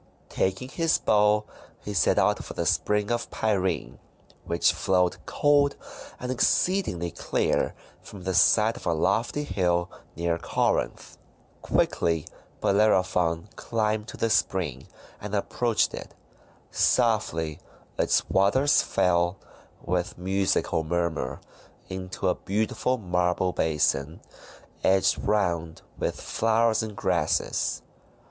Taking his bow he set out for the Spring of Pirene, which flowed cold and exceedingly clear from the side of a lofty hill near Corinth. Quickly Bellerophon climbed to the spring, and approached it. Softly its waters fell, with musical murmur, into a beautiful marble basin, edged round with flowers and grasses.